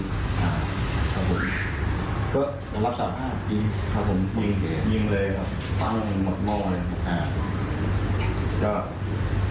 รับสารผ้าจริงครับผมจริงเลยครับตั้งหมดมอบเลยครับ